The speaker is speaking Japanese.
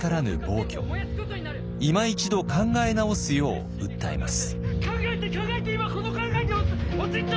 いま一度考え直すよう訴えます。